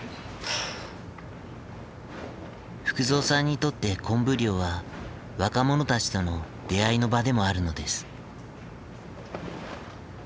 福蔵さんにとってコンブ漁は若者たちとの出会いの場でもあるのです。